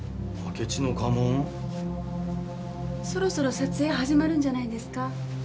そろそろ撮影始まるんじゃないですか？